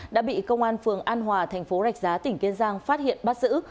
đã bị công an phường an hòa tp rạch giá tp kiên giang phát hiện bắt xử